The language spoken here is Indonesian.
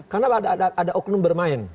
karena ada oknum bermain